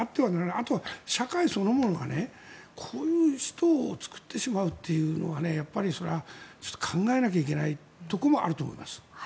あと、社会そのものがこういう人を作ってしまうっていうのはやっぱりそれは考えないといけないところもあると思います。